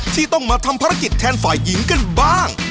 ที่ต้องมาทำภารกิจแทนฝ่ายหญิงกันบ้าง